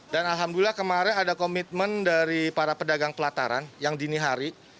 dan alhamdulillah kemarin ada komitmen dari para pedagang pelataran yang dini hari